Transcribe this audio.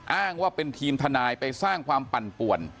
อ้างว่าเป็นทีมทนายไปสร้างความปั่นป่วน